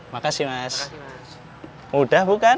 makasih mas mudah bukan